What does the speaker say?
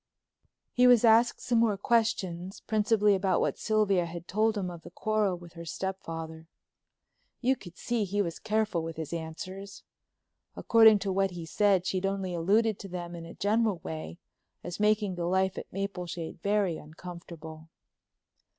He was asked some more questions, principally about what Sylvia had told him of the quarrels with her stepfather. You could see he was careful in his answers. According to what he said she'd only alluded to them in a general way as making the life at Mapleshade very uncomfortable.